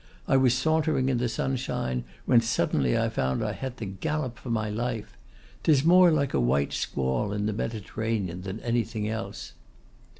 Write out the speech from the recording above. I was sauntering in the sunshine, when suddenly I found I had to gallop for my life. 'Tis more like a white squall in the Mediterranean than anything else.